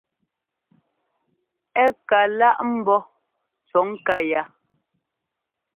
Ɛ ka láʼ ḿbó cʉ̈ŋká yá.